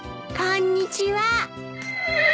こんにちは。